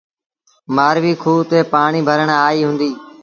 مآرويٚ کوه تي پآڻيٚ ڀرڻ آئيٚ هُݩديٚ۔